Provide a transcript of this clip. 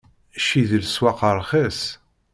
Cci di leswaq ṛxis.